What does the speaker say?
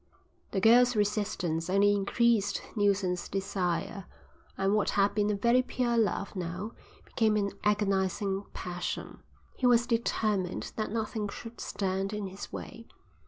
The girl's resistance only increased Neilson's desire, and what had been a very pure love now became an agonising passion. He was determined that nothing should stand in his way.